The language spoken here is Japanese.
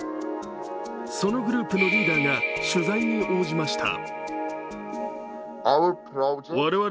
そのグループのリーダーが取材に応じました。